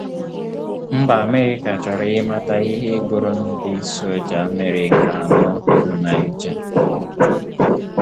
Mba Amerịka chọrọ ịmata ịhe gburu ndị soja Amerịka anọ na Niger